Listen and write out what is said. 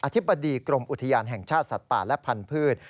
ธิบดีกรมอุทยานแห่งชาติสัตว์ป่าและพันธุ์